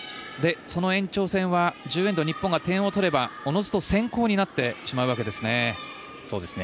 その延長戦は１０エンド、日本が点を取ればおのずと先攻になってしまうわけですね。